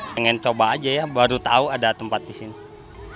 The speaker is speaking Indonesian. pengen coba aja ya baru tahu ada tempat di sini